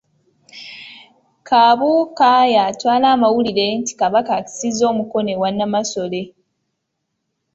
Kabuuka y'atwala amawulire nti kabaka akisizza omukono ewa Namasole.